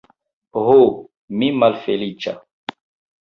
Ho, mi malfeliĉa!